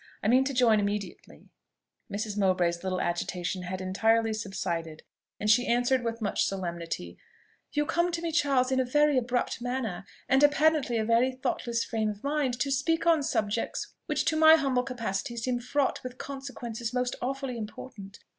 I mean to join immediately." Mrs. Mowbray's little agitation had entirely subsided, and she answered with much solemnity, "You come to me, Charles, in a very abrupt manner, and apparently in a very thoughtless frame of mind, to speak on subjects which to my humble capacity seem fraught with consequences most awfully important.